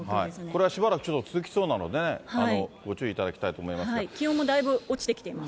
これはしばらくちょっと続きそうなのでね、ご注意いただきた気温もだいぶ落ちてきていま